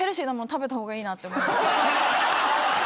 食べた方がいいなって思いました。